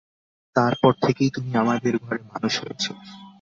তার পর থেকেই তুমি আমাদের ঘরে মানুষ হয়েছ।